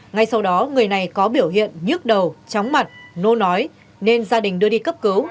ngay sau đó người này có biểu hiện nhức đầu chóng mặt nô nói nên gia đình đưa đi cấp cứu